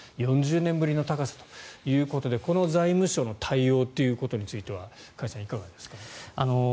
４０年ぶりの高さということでこの財務省の対応については加谷さん、いかがですか。